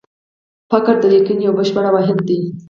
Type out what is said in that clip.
فقره د لیکني یو بشپړ واحد دئ.